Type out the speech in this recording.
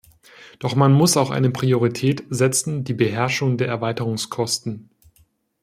Doch man muss auch eine Priorität setzen die Beherrschung der Erweiterungskosten.